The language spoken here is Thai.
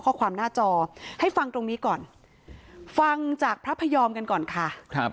ข้อความหน้าจอให้ฟังตรงนี้ก่อนฟังจากพระพยอมกันก่อนค่ะครับ